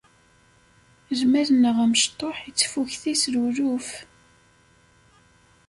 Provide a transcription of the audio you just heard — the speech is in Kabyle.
Lmal-nneɣ amecṭuḥ ittfukti s luluf.